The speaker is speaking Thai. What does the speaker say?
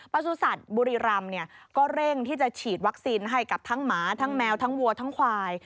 สุสัตว์บุรีรำก็เร่งที่จะฉีดวัคซีนให้กับทั้งหมาทั้งแมวทั้งวัวทั้งควาย